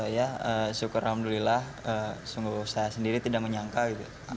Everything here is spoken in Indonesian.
ya syukur alhamdulillah sungguh saya sendiri tidak menyangka gitu